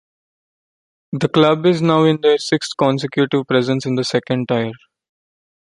The club is now in their sixth consecutive presence in the second tier.